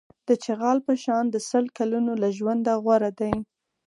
د چغال په شان د سل کلونو له ژونده غوره دی.